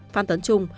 phan tấn trung